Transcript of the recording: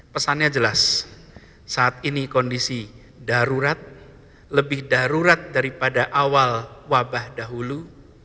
pesannya jelas saat ini kondisi darurat lebih darurat daripada awal wabah dahulu